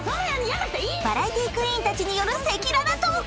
［バラエティークイーンたちによる赤裸々トーク］